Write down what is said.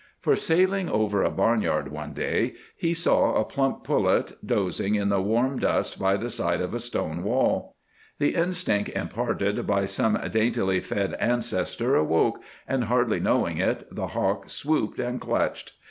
For, sailing over a barnyard one day, he saw a plump pullet dozing in the warm dust by the side of a stone wall. The instinct imparted by some daintily fed ancestor awoke, and hardly knowing it, the hawk swooped and clutched.